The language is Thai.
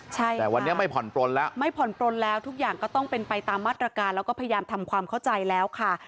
ใช่ค่ะไม่ผ่อนปล้นแล้วทุกอย่างก็ต้องเป็นไปตามมาตรการแล้วก็พยายามทำความเข้าใจแล้วค่ะ